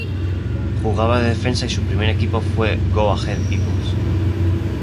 Jugaba de defensa y su primer equipo fue Go Ahead Eagles.